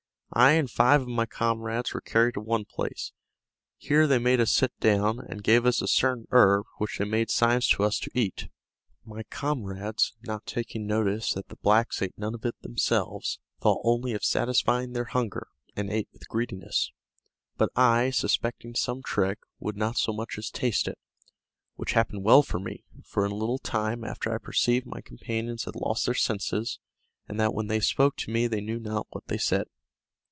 I and five of my comrades were carried to one place; here they made us sit down, and gave us a certain herb, which they made signs to us to eat. My comrades not taking notice that the blacks ate none of it themselves, thought only of satisfying their hunger, and ate with greediness. But I, suspecting some trick, would not so much as taste it, which happened well for me; for in a little time after I perceived my companions had lost their senses, and that when they spoke to me they knew not what they said.